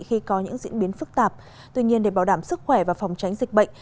khi có những diễn biến phức tạp tuy nhiên để bảo đảm sức khỏe và phòng tránh dịch bệnh